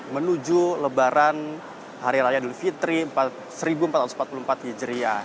menuju lebaran hari raya idul fitri seribu empat ratus empat puluh empat hijriah